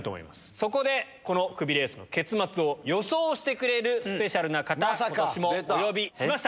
そこで、このクビレースの結末を予想してくれるスペシャルな方、ことしもお呼びしました。